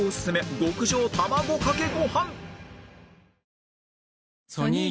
極上卵かけご飯